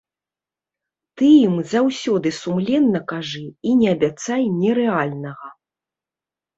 Ты ім заўсёды сумленна кажы і не абяцай нерэальнага.